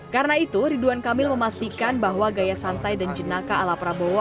karena itu ridwan kamil memastikan bahwa gaya santai dan jenaka ala prabowo